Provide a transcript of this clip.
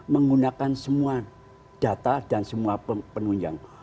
menggunakan semua data dan semua penunjang